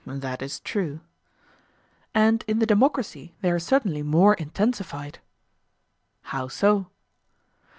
That is true. And in the democracy they are certainly more intensified. How so?